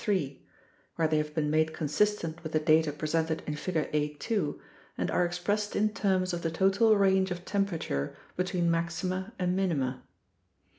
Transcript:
3 (where they have been made consistent with the data presented in Figure A. 2 and are expressed in terms of the total range of temperature between maxima and minima).